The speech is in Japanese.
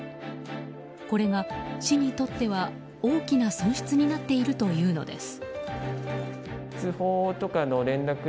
これが市にとっては大きな損失になっているというのです。